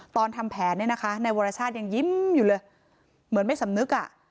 ตอนทำแผนเนี่ยนะคะนายวรชาติยังยิ้มอยู่เลยเหมือนไม่สำนึกอ่ะ